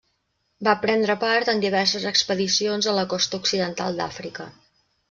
Va prendre part en diverses expedicions a la costa occidental d'Àfrica.